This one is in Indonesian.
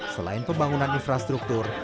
selain pembangunan infrastruktur